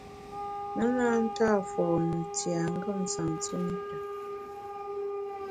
Me na nta fone tiengem santiméta.